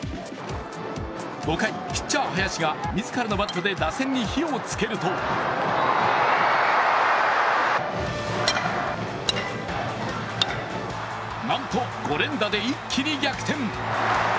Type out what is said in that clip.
５回、ピッチャー・林が自らのバットで打線に火をつけるとなんと５連打で一気に逆転。